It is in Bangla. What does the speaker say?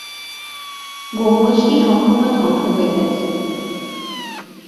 গম্বুজটি সম্পূর্ণ ধ্বংস হয়ে গেছে।